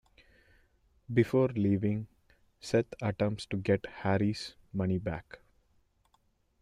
Before leaving, Seth attempts to get Harry's money back.